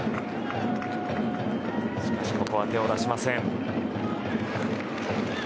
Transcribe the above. しかし、ここは手を出しません。